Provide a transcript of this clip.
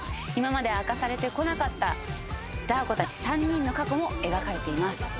今まで明かされてこなかったダー子たち３人の過去も描かれています。